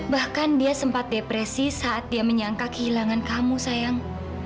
bahkan dia sempat depresi saat dia menyangka kehilangan kamu sayang